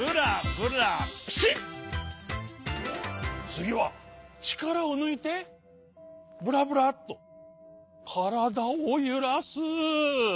つぎはちからをぬいてブラブラッとからだをゆらす。